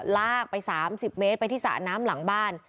ลากไป๓๐เมตรไปที่สระน้ำหลังบ้าน